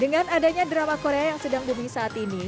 dengan adanya drama korea yang sedang booming saat ini